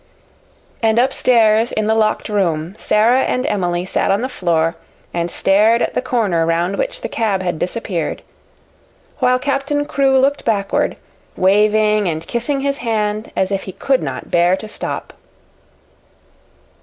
And upstairs in the locked room Sara and Emily sat on the floor and stared at the corner round which the cab had disappeared, while Captain Crewe looked backward, waving and kissing his hand as if he could not bear to stop.